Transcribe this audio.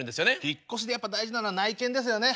引っ越しでやっぱ大事なのは内見ですよね。